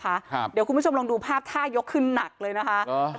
ครับเดี๋ยวคุณผู้ชมลองดูภาพท่ายกขึ้นหนักเลยนะคะอ่า